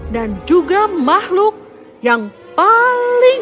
dan juga mahluk yang paling